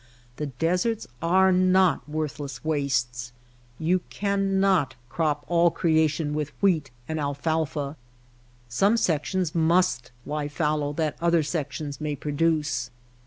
The deserts are not worthless wastes. You cannot crop all creation with wheat and alfal fa. Some sections must lie fallow that other sections may produce.